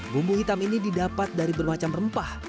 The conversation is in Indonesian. bumbu hitam ini didapat dari bermacam rempah